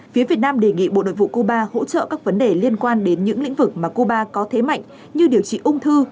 phía việt nam đề nghị bộ nội vụ cuba hỗ trợ các vấn đề liên quan đến những lĩnh vực mà cuba có thế mạnh như điều trị ung thư